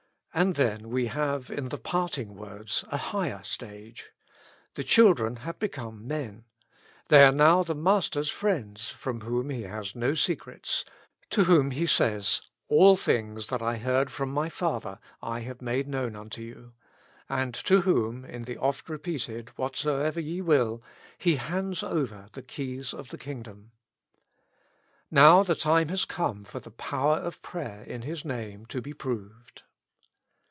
And then we have in the parting words, a higher stage. The children have become men : they are now the Master's friends, from whom He has no secrets, to whom He says, "All things that I heard from my Father I made known unto you ;" and to whom, in the oft repeated "what soever ye will," He hands over the keys of the king dom. Now the time has come for the power of prayer in His Name to be proved.